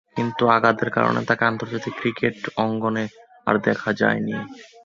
কিন্তু আঘাতের কারণে তাকে আন্তর্জাতিক ক্রিকেটে অঙ্গনে আর দেখা যায়নি।